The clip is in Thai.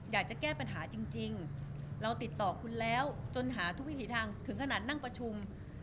อยากจะแก้ปัญหาจริงเราติดต่อคุณแล้วจนหาทุกวิถีทางถึงขนาดนั่งประชุม